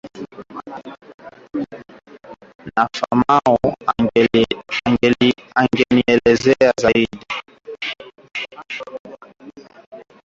na Famau angenielezea zaidi